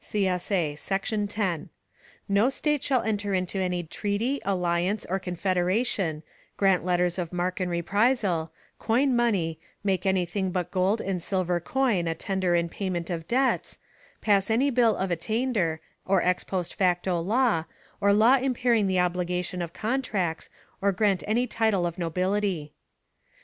[CSA] Section 10. No State shall enter into any treaty, alliance, or confederation; grant letters of marque and reprisal; coin money; make anything but gold and silver coin a tender in payment of debts; pass any bill of attainder, or ex post facto law, or law impairing the obligation of contracts, or grant any title of nobility.